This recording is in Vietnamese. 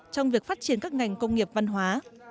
trong việc phát triển các ngành công nghiệp văn hóa